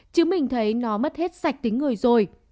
chứ mình thấy nó mất hết sạch tính người rồi